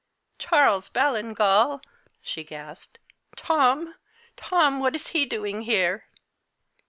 "Charles Ballingall!" she gasped. "Tom Tom, what is he doing here?"